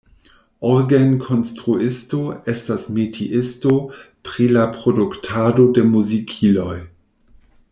Orgenkonstruisto estas metiisto pri la produktado de muzikiloj.